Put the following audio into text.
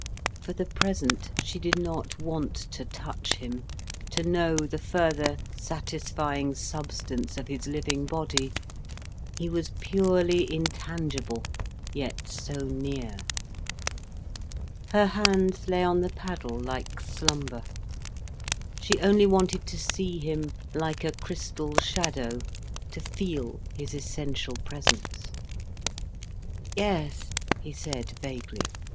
For the present she did not want to touch him, to know the further, satisfying substance of his living body. He was purely intangible, yet so near. Her hands lay on the paddle like slumber, she only wanted to see him, like a crystal shadow, to feel his essential presence. "Yes," he said vaguely.